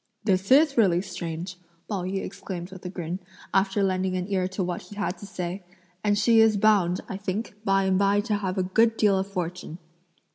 "This is really strange!" Pao yü exclaimed with a grin, after lending an ear to what he had to say; "and she is bound, I think, by and by to have a good deal of good fortune!"